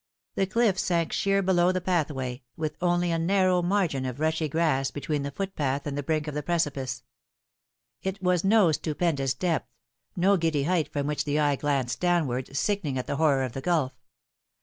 The cliff sank sheer below the pathway, with only a narrow margin of rushy Darkness. 273 grass between the footpath and the brink of the precipice. It was no stupendous depth, no giddy height from which the eye glanced downward, sickening at the horror of the gulf.